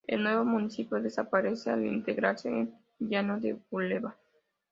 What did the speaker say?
El nuevo municipio desaparece al integrarse en Llano de Bureba.